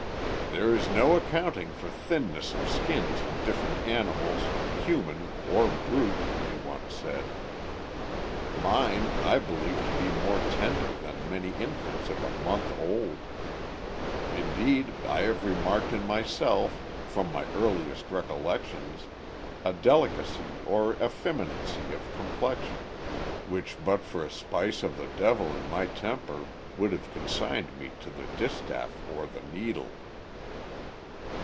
"There is no accounting for thinness of skins in different animals, human, or brute [he once said]. Mine, I believe to be more tender than many infants of a month old. Indeed I have remarked in myself, from my earliest recollection, a delicacy or effeminacy of complexion, which but for a spice of the devil in my temper would have consigned me to the distaff or the needle."